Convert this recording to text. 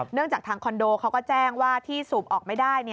จากทางคอนโดเขาก็แจ้งว่าที่สูบออกไม่ได้